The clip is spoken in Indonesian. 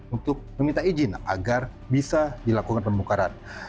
untuk meminta izin agar bisa dilakukan pembongkaran